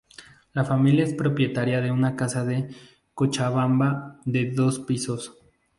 La familia es propietaria de una casa en Cochabamba de dos pisos.